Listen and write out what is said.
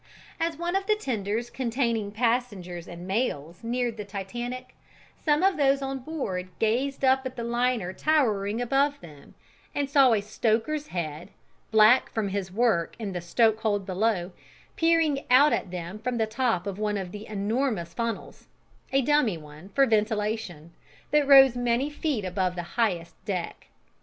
As one of the tenders containing passengers and mails neared the Titanic, some of those on board gazed up at the liner towering above them, and saw a stoker's head, black from his work in the stokehold below, peering out at them from the top of one of the enormous funnels a dummy one for ventilation that rose many feet above the highest deck.